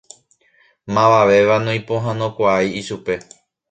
Mavavéva noipohãnokuaái ichupe.